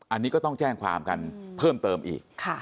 อันนี้ก็ต้องแจ้งความกันเพิ่มเติมอีก